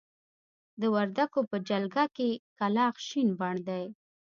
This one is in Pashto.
د وردکو په جلګه کې کلاخ شين بڼ دی.